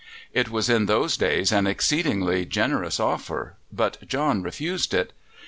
It was in those days an exceedingly generous offer, but John refused it.